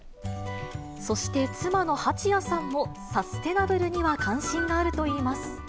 そして妻の蜂谷さんも、サステナブルには関心があるといいます。